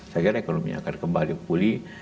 saya kira ekonomi akan kembali pulih